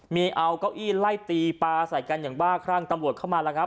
มีเอาเก้าอี้ไล่ตีปลาใส่กันอย่างบ้าครั่งตำรวจเข้ามาแล้วครับ